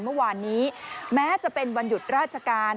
เมื่อวานนี้แม้จะเป็นวันหยุดราชการ